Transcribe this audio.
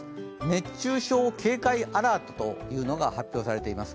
熱中症警戒アラートというのが発表されています。